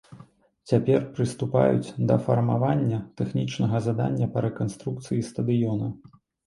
Цяпер прыступаюць да фармавання тэхнічнага задання па рэканструкцыі стадыёна.